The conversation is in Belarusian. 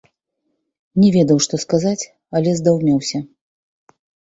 Не ведаў, што сказаць, але здаўмеўся.